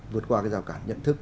vượt qua cái rào cản nhận thức